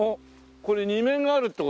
これ２面があるって事？